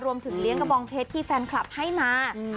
เลี้ยงกระบองเพชรที่แฟนคลับให้มา